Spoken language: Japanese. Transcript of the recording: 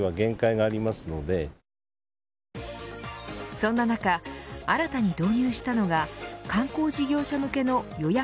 そんな中、新たに導入したのが観光事業者向けの予約